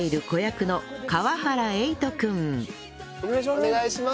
お願いします。